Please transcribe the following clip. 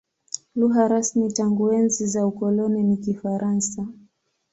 Lugha rasmi tangu enzi za ukoloni ni Kifaransa.